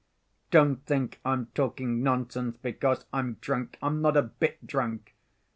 Don't think I'm talking nonsense because I'm drunk. I'm not a bit drunk.